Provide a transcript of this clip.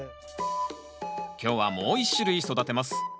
今日はもう一種類育てます。